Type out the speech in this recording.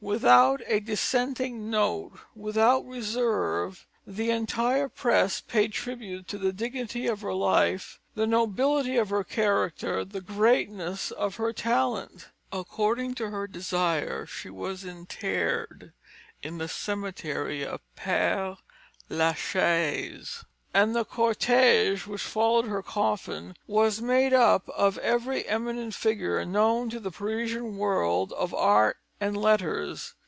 Without a dissenting note, without reserve, the entire press paid tribute to the dignity of her life, the nobility of her character, the greatness of her talent. According to her desire, she was interred in the cemetery of Père Lachaise; and the cortège which followed her coffin was made up of every eminent figure known to the Parisian world of art and letters.